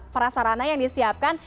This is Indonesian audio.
perasarana yang disiapkan